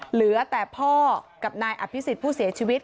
เหลือแต่พ่อกับนายอภิษฎผู้เสียชีวิต